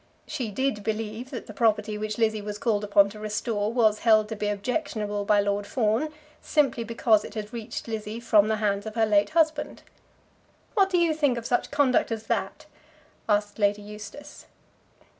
She did believe that the property which Lizzie was called upon to restore was held to be objectionable by Lord Fawn simply because it had reached Lizzie from the hands of her late husband. "What do you think of such conduct as that?" asked Lady Eustace.